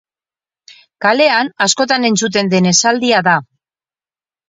Kalean askotan entzuten den esaldia da.